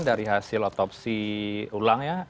dari hasil otopsi ulangnya